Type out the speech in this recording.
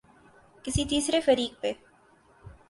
کسی تیسرے فریق پہ۔